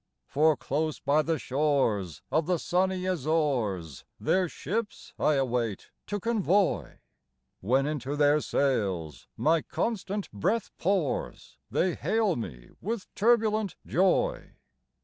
For close by the shores of the sunny Azores Their ships I await to convoy; When into their sails my constant breath pours They hail me with turbulent joy.